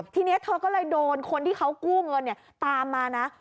ทีนี้เธอก็เลยโดนคนที่เขากู้เงินตามมานะ